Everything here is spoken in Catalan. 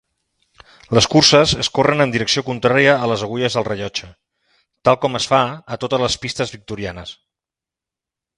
Les curses es corren en direcció contrària a les agulles del rellotge, tal com es fa a totes les pistes victorianes.